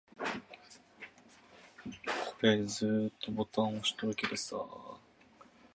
足を進めるたびに、煙は濃くなり、においも味も強くなっていった